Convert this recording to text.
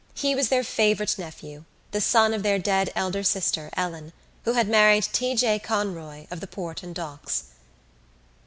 He was their favourite nephew, the son of their dead elder sister, Ellen, who had married T. J. Conroy of the Port and Docks.